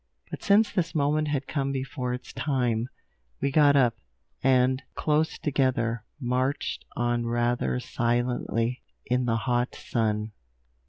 But since this moment had come before its time, we got up, and, close together, marched on rather silently, in the hot sun.